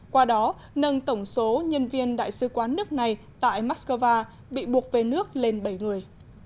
qua đó nâng tổng số nhân viên đại sứ quán nước này tại moscow bị buộc về nước lên bảy người